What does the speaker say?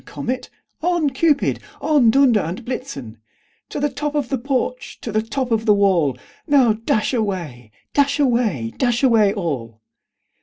Comet, on! Cupid, on! Dunder and Blitzen To the top of the porch, to the top of the wall! Now, dash away, dash away, dash away all!"